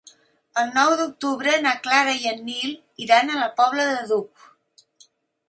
El nou d'octubre na Clara i en Nil iran a la Pobla del Duc.